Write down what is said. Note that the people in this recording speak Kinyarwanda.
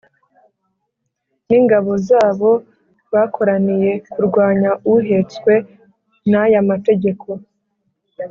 n ingabo zabo bakoraniye kurwanya Uhetswe na yamategeko